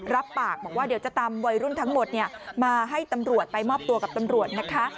รับปากบอกว่าเดี๋ยวจะตามวัยรุ่นทั้งหมดมาให้ตำรวจไปมอบตัวกับตำรวจนะคะ